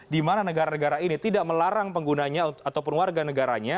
dimana negara negara ini tidak melarang penggunaannya ataupun warganegaranya